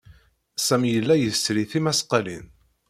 Sami yella yesri tismaqalin.